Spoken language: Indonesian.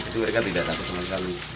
jadi mereka tidak takut sama sekali